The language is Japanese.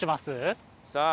さあ。